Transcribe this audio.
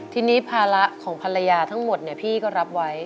ทีนี้ภาระของภรรยาทั้งหมดพี่ก็รับไว้